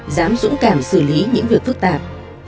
dám dũng cảm xử lý những việc phức tạp